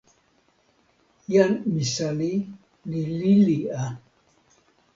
jan Misali li lili a.